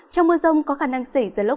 trong mưa rông có khả năng xảy ra lốc